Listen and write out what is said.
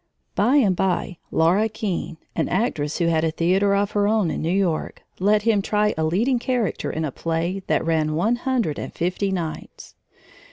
By and by Laura Keene, an actress who had a theater of her own in New York, let him try a leading character in a play that ran one hundred and fifty nights.